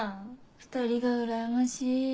２人がうらやましい。